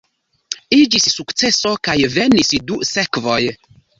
Iĝis sukceso kaj venis du sekvoj.